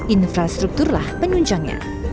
infrastruktur lah penunjangnya